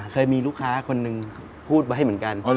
เคยมีลูกค้าคนหนึ่งพูดไว้เหมือนกัน